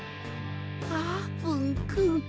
あーぷんくん。